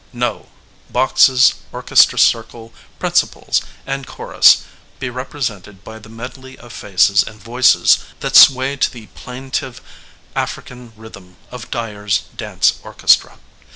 No; boxes, orchestra circle, principals, and chorus be represented by the medley of faces and voices that sway to the plaintive African rhythm of Dyer's dance orchestra.